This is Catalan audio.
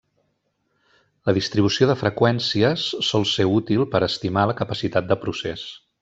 La distribució de freqüències sol ser útil per a estimar la capacitat de procés.